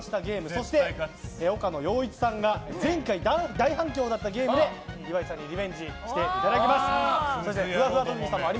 そして、岡野陽一さんが前回、大反響だったゲームで岩井さんにリベンジしていただきます。